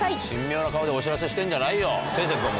神妙な顔でお知らせしてんじゃないよ！